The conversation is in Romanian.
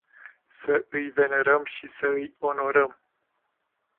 Să îi venerăm și să îi onorăm.